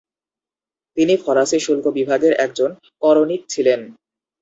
তিনি ফরাসি শুল্ক বিভাগের একজন করণিক ছিলেন।